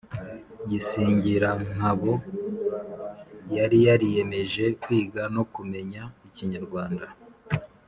singirankabo yari yariyemeje kwiga no kumenya ikinyarwanda